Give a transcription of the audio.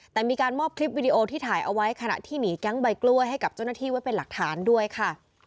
แต่มีการมอบคลิปวิดีโอที่ถ่ายเอาไว้ขณะที่หนีแก๊งใบกล้วยให้กับเจ้าหน้าที่ไว้เป็นหลักฐานด้วยค่ะ